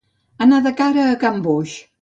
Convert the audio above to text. Anar de cara a can Boix.